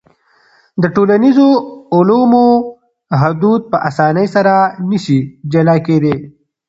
د ټولنیزو علومو حدود په اسانۍ سره نسي جلا کېدای.